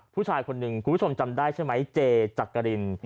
ผู้ชายคนหนึ่งคุณผู้ชมจำได้ใช่ไหมเจจักริน